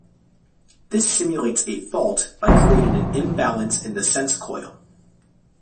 This simulates a fault by creating an imbalance in the sense coil.